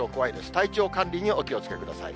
体調管理にお気をつけください。